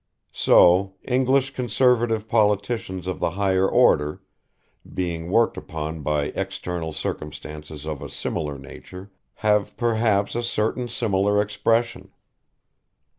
So, English Conservative Politicians of the higher order, being worked upon by external circumstances of a similar nature, have perhaps a certain similar expression.